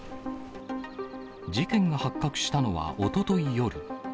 事件が発覚したのはおととい夜。